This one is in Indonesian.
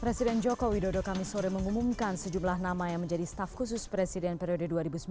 presiden joko widodo kami sore mengumumkan sejumlah nama yang menjadi staff khusus presiden periode dua ribu sembilan belas dua ribu dua